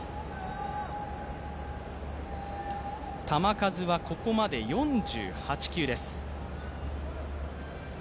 球数はここまで４８球です。